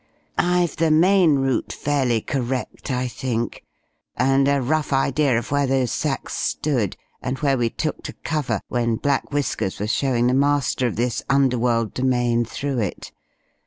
"I've the main route fairly correct, I think, and a rough idea of where those sacks stood, and where we took to cover when Black Whiskers was showing the master of this underworld domain through it.